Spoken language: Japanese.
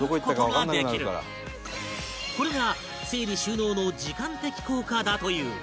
これが整理収納の時間的効果だという